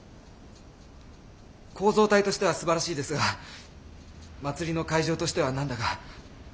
構造体としてはすばらしいですが祭りの会場としては何だか。